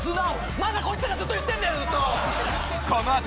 まだこいつらずっと言ってんだよずっと！